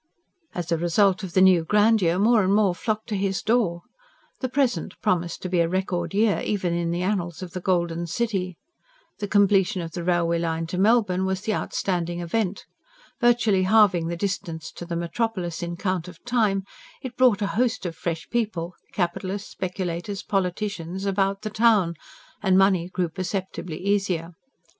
As a result of the new grandeur, more and more flocked to his door. The present promised to be a record year even in the annals of the Golden City. The completion of the railway line to Melbourne was the outstanding event. Virtually halving the distance to the metropolis in count of time, it brought a host of fresh people capitalists, speculators, politicians about the town, and money grew perceptibly easier.